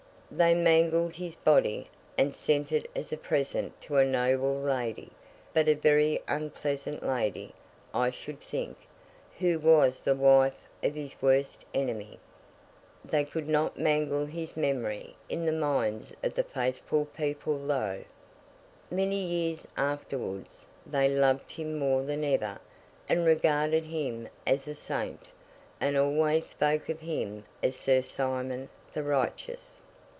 They mangled his body, and sent it as a present to a noble lady—but a very unpleasant lady, I should think—who was the wife of his worst enemy. They could not mangle his memory in the minds of the faithful people, though. Many years afterwards, they loved him more than ever, and regarded him as a Saint, and always spoke of him as 'Sir Simon the Righteous.